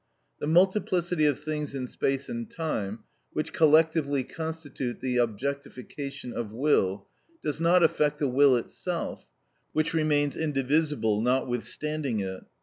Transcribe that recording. The multiplicity of things in space and time, which collectively constitute the objectification of will, does not affect the will itself, which remains indivisible notwithstanding it.